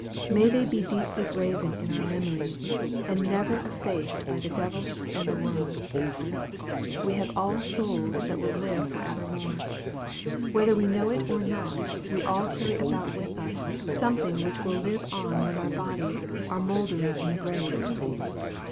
May they be deeply graven in our memories, and never effaced by the devil and the world ! We have all souls that will live for evermore. Whether we know it or not, we all carry about with us something which will live on when our bodies are moul MARK, CHAP. VIII. 171 dering in the grave.